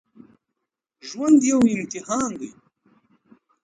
ژوند یو امتحان دی